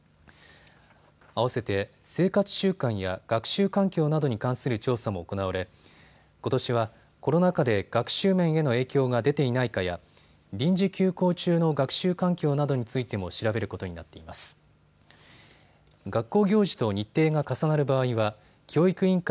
あわせて生活習慣や学習環境などに関する調査も行われ、ことしはコロナ禍で学習面への影響が出ていないかや臨時休校中の学習環境などについても調べることになっています。